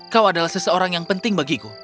kau adalah seseorang yang penting bagiku